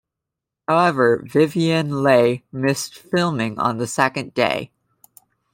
However, Vivien Leigh missed filming on the second day.